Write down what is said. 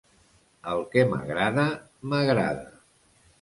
El que m'agrada, m'agrada.